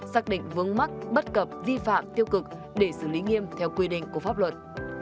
xác định vướng mắc bất cập vi phạm tiêu cực để xử lý nghiêm theo quy định của pháp luật